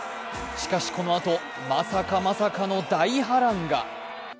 しかしこのあと、まさかまさかの大波乱が。